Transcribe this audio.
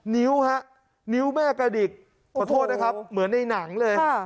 นิ้วแม่กระดิกประโทษนะครับเหมือนในหนังเลย